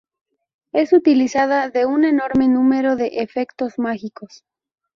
Es utilizada en un enorme número de efectos mágicos.